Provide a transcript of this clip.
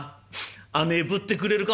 案内ぶってくれるか？」。